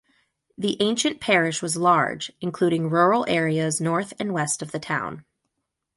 The ancient parish was large, including rural areas north and west of the town.